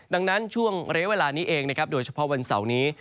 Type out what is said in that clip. ดังนั้นช่วงระยะเวลานี้เองนะครับโดยเฉพาะวันเสาร์นี้